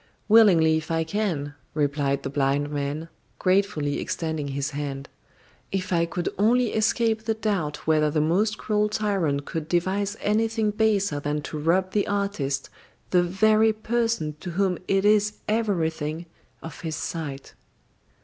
"Willingly, if I can," replied the blind man, gratefully extending his hand. "If I could only escape the doubt whether the most cruel tyrant could devise anything baser than to rob the artist, the very person to whom it is everything, of his sight."